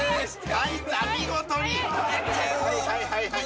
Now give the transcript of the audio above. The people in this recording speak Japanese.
はいはいはいはい。